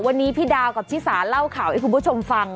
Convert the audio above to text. วันนี้พี่ดาวกับชิสาเล่าข่าวให้คุณผู้ชมฟัง